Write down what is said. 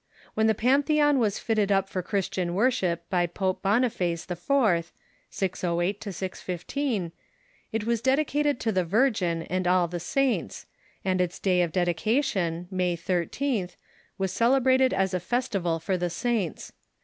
When the Pantheon was fitted up for Christian worship by Pope Boniface IV. (608 615), it was ded icated to the Virgin and all the saints, and its day of dedi cation, May 13th, was celebrated as a festival for the saints.